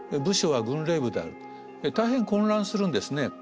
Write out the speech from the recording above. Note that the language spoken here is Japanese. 大変混乱するんですね。